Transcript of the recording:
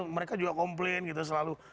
mereka juga komplain selalu